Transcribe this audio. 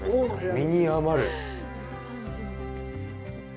身に余る。